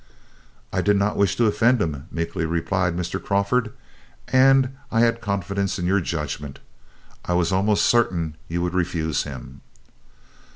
"I did not wish to offend him," meekly replied Mr. Crawford, "and I had confidence in your judgment. I was almost certain you would refuse him."